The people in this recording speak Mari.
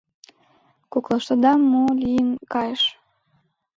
— Коклаштыда мо лийын кайыш?